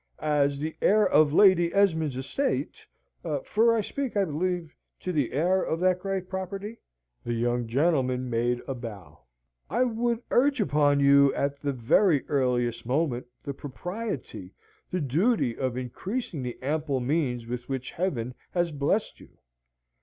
As the heir of Lady Esmond's estate for I speak, I believe, to the heir of that great property? " The young gentleman made a bow. " I would urge upon you, at the very earliest moment, the propriety, the duty of increasing the ample means with which Heaven has blessed you.